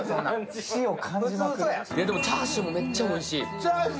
チャーシューもめっちゃおいしい。